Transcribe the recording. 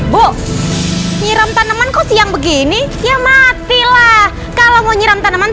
bu nyiram tanamanku siang begini ya matilah kalau mau nyiram tanaman